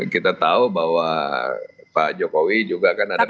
kita tahu bahwa pak jokowi juga kan ada